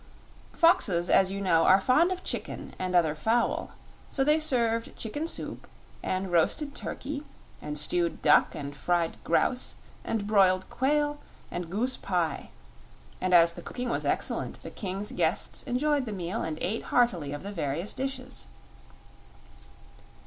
Foxes, as you know, are fond of chicken and other fowl; so they served chicken soup and roasted turkey and stewed duck and fried grouse and broiled quail and goose pie, and as the cooking was excellent the King's guests enjoyed the meal and ate heartily of the various dishes.